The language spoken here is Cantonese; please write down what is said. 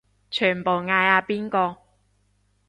全部嗌阿邊個